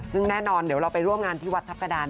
ซึ่งแน่นอนเดี๋ยวเราไปร่วมงานที่วัดทัพกระดาน